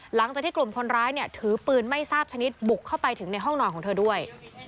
หลังจากที่กลุ่มคนร้ายเนี่ยถือปืนไม่ทราบชนิดบุกเข้าไปถึงในห้องนอนของเธอด้วย